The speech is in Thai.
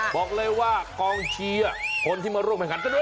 บอกเลยว่ากองเชียคนที่มาร่วมให้กันก็ดู